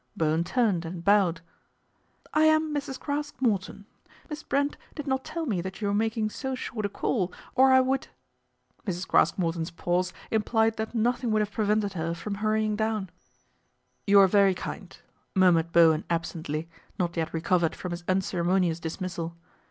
Bowen turned and bowed. " I am Mrs. Craske Morton. Miss Brent did not tell me that you were making so short a call, or I would " Mrs. Craske Morton's pause implied that nothing would have prevented her from hurrying down. 72 PATRICIA BRENT, SPINSTER " You are very kind," murmured Bowen ab sently, not yet recovered from his unceremonious dismissal.